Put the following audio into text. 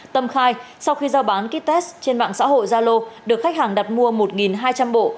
tâm khai sau khi giao bán kết test trên mạng xã hội gia lô được khách hàng đặt mua một hai trăm linh bộ